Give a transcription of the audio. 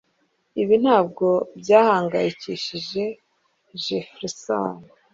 Ibi ntabwo byahangayikishije Jefferson